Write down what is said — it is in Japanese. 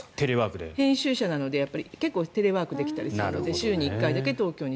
編集者なので結構テレワークできたりするので週に１回だけ東京に。